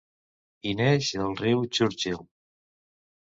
Hi neix el riu Churchill.